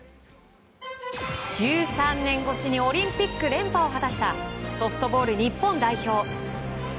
１３年越しにオリンピック連覇を果たしたソフトボール日本代表。